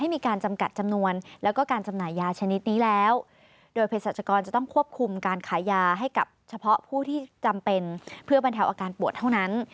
เพื่อบรรเทียบอาการปวดเท่านั้น